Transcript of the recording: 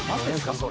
それ。